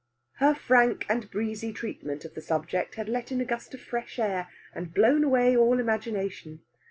Her frank and breezy treatment of the subject had let in a gust of fresh air, and blown away all imagination.